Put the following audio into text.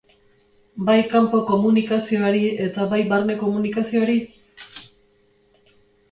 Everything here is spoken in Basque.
Bai kanpo-komunikazioari eta bai barne-komunikazioari?